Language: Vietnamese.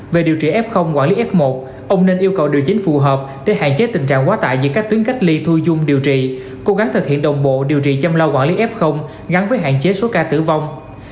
về điều trị f quản lý f một ông nên yêu cầu điều chính phù hợp để hạn chế tình trạng quá tải giữa các tuyến cách ly thu dung điều trị cố gắng thực hiện đồng bộ điều trị chăm lo quản lý f gắn với hạn chế số ca tử vong